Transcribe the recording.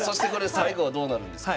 最後はどうなるんですか？